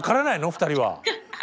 ２人は。